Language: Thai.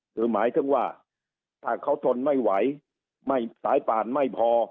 คือหมายถึงว่าถ้าเขาทนไม่ไหวไม่สายป่านไม่พอ